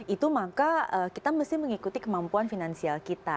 itu maka kita mesti mengikuti kemampuan finansial kita